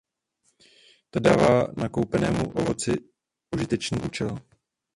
To dává nakoupenému ovoci užitečný účel.